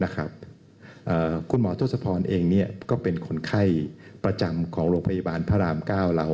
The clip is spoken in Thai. คุณหมอทศพรเองก็เป็นคนไข้ประจำของโรงพยาบาลพระราม๙เรา